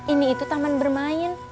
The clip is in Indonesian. ini itu taman bermain